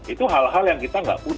itu hal hal yang kita nggak